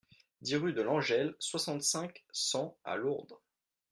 dix rue de Langelle, soixante-cinq, cent à Lourdes